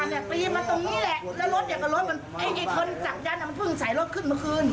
แล้วรถอย่างกับรถมันให้ไอ้ทนจักรยันต์มันเพิ่งใส่รถขึ้นมาคืน